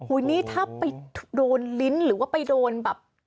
นี่ถ้าไปโดนลิ้นหรือว่าไปโดนแบบ